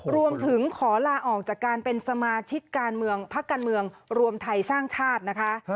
รวมถึงขอลาออกจากการเป็นสมาชิกการเมืองพักการเมืองรวมไทยสร้างชาตินะคะ